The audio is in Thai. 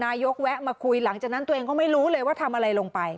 แวะมาคุยหลังจากนั้นตัวเองก็ไม่รู้เลยว่าทำอะไรลงไป